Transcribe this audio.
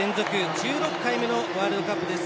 １６回目のワールドカップです。